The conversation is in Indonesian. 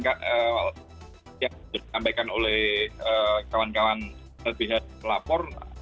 yang disampaikan oleh kawan kawan lpha lapor